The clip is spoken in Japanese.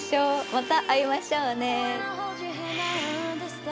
また会いましょうね。